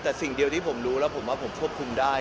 แต่สิ่งเดียวที่ผมรู้แล้วผมว่าผมควบคุมได้